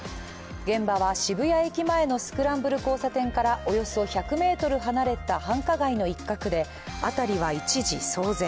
現場は渋谷駅前のスクランブル交差点からおよそ１００ｍ離れた繁華街の一角で、辺りは一時、騒然。